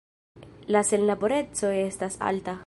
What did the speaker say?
La senlaboreco estas alta.